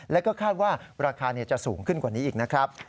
แล้วก็คาดว่าราคาจะสูงขึ้นกว่านี้อีกนะครับ